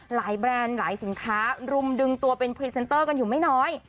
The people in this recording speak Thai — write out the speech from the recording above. แบรนด์หลายสินค้ารุมดึงตัวเป็นพรีเซนเตอร์กันอยู่ไม่น้อย